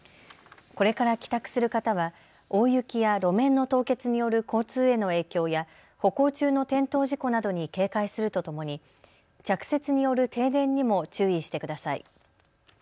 これから帰宅する方は大雪や路面の凍結による交通への影響や歩行中の転倒事故などに警戒するとともに着雪による停電にも注意してください。